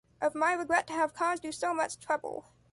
Of my regret to have caused you so much trouble.